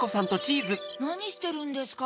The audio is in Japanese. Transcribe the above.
・なにしてるんですか？